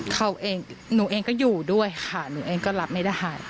เขาเองหนูเองก็อยู่ด้วยค่ะหนูเองก็รับไม่ได้